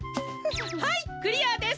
はいクリアです。